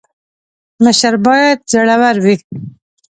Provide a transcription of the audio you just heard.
مشر باید زړه ور وي